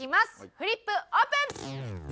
フリップオープン！